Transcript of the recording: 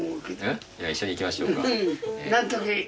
いや一緒に行きましょうか。